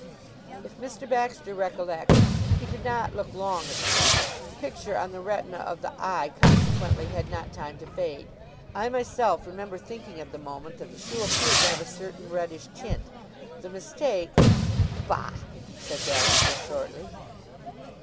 If Mr. Baxter recollects, he did not look long at the shoe. The picture on the retina of the eye consequently had not time to fade. I myself remember thinking at the moment that the shoe appeared to have a certain reddish tint. The mistake " "Bah!" said Baxter shortly.